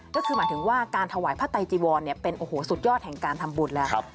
ก็คือหมายถึงว่าการถวายพระไตจีวรเป็นโอ้โหสุดยอดแห่งการทำบุญแล้ว